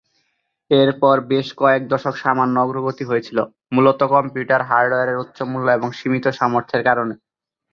এরপর বেশ কয়েক দশক সামান্য অগ্রগতি হয়েছিল, মূলত কম্পিউটার হার্ডওয়্যারের উচ্চ মূল্য এবং সীমিত সামর্থ্যের কারণে।